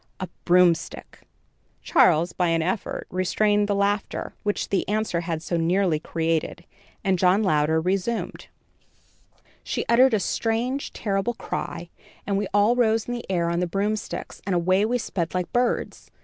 "A broomstick." Charles, by an effort, restrained the laughter, which the answer had so nearly created, and John Louder resumed: "She uttered a strange, terrible cry, and we all rose in the air on the broomsticks and away we sped like birds.